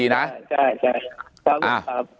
ใช่ใช่ขอบคุณครับ